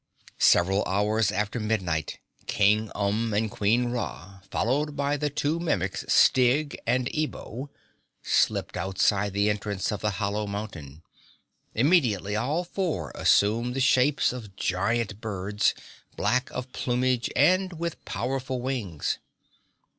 Several hours after midnight, King Umb and Queen Ra, followed by the two Mimics, Styg and Ebo, slipped outside the entrance of the hollow mountain. Immediately all four assumed the shapes of giant birds, black of plumage and with powerful wings.